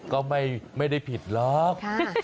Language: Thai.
ก็ไม่ได้ผิดหรอก